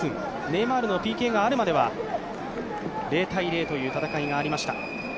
ネイマールのＰＫがあるまでは０−０という戦いがありました。